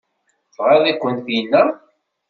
Tɣaḍ-iken tinna?